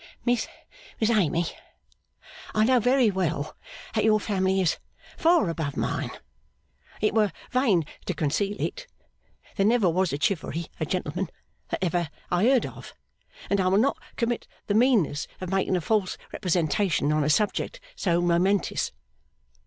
'Miss Amy, I know very well that your family is far above mine. It were vain to conceal it. There never was a Chivery a gentleman that ever I heard of, and I will not commit the meanness of making a false representation on a subject so momentous.